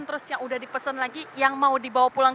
terus yang udah dipesan lagi yang mau dibawa pulang